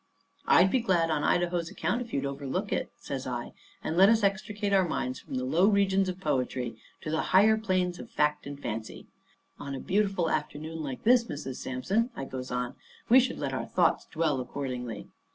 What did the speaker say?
I'd be glad on Idaho's account if you'd overlook it," says I, "and let us extricate our minds from the low regions of poetry to the higher planes of fact and fancy. On a beautiful afternoon like this, Mrs. Sampson," I goes on, "we should let our thoughts dwell accordingly.